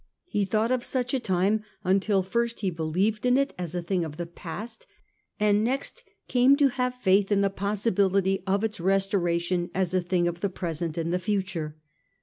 He thought of such a time until first he believed in it as a thing of the past, and next came to have faith in the possibility of its restoration as a thing of the pre sent and the future.